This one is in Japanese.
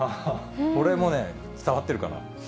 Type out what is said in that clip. これもね、伝わってるかな？